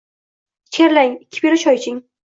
— Ichkarilang. Ikki piyola choy iching.